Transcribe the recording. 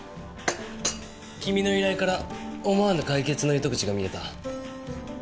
君の依頼から思わぬ解決の糸口が見えた。